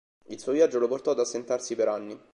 Il suo viaggio lo portò ad assentarsi per anni.